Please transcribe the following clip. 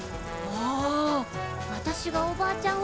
私がおばあちゃん